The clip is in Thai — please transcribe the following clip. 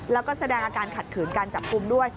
แล้วก็แสดงอาการขัดขืนการจับกลุ่มด้วย